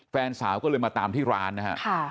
แฟนสาวก็เลยมาตามที่ร้านนะฮะ